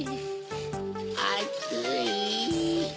あつい。